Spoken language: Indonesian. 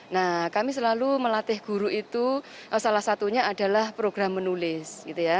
nah kami selalu melatih guru itu salah satunya adalah program menulis gitu ya